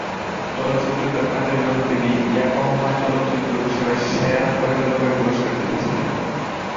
চলচ্চিত্রে তার কাজের জন্য তিনি ইয়োকোহামা চলচ্চিত্র উৎসবে সেরা পরিচালকের পুরস্কার জিতেছিলেন।